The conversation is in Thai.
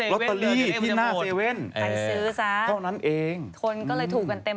รอตเตอรี่ที่หน้า๗